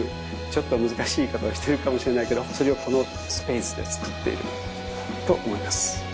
ちょっと難しい言い方をしてるかもしれないけどそれをこのスペースでつくっていると思います。